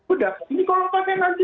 udah ini kalau pakai nanti